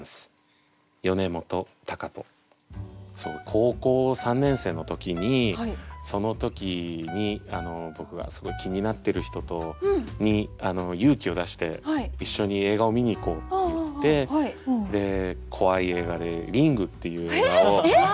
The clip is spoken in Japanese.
高校３年生の時にその時に僕がすごい気になってる人に勇気を出して一緒に映画を見に行こうって言って怖い映画で「リング」っていう映画を。